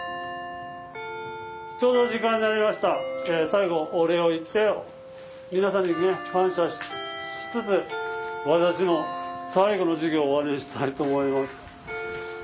最後お礼を言って皆さんに感謝しつつ私の最後の授業を終わりにしたいと思います。